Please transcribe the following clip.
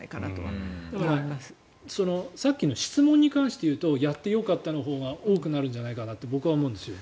いやさっきの質問に関していうとやってよかったのほうが多くなるんじゃないかなと僕は思うんですよ。